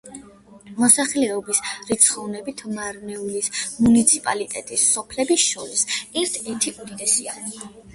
მოსახლეობის რიცხოვნობით მარნეულის მუნიციპალიტეტის სოფლებს შორის ერთ-ერთი უდიდესია.